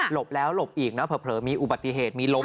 บแล้วหลบอีกนะเผลอมีอุบัติเหตุมีลม